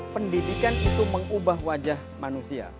pendidikan itu mengubah wajah manusia